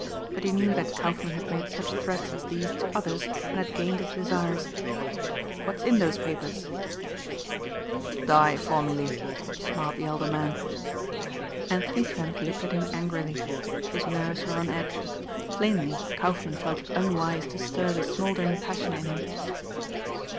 But he knew that Kaufmann had made such threats as these to others and had gained his desires. "What's in those papers?" "Dye formulae," smiled the elder man. Anthony Trent looked at him angrily. His nerves were on edge. Plainly Kaufmann felt it unwise to stir the smouldering passion in him.